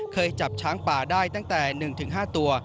เคยจับช้างป่าได้ตั้งแต่๑๕ตัว